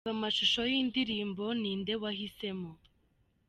Reba amashusho y'indirimbo 'Ni nde wahisemo'.